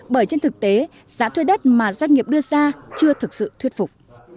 bởi trên thực tế giá thuê đất mà doanh nghiệp đưa ra chưa thực sự thuyết phục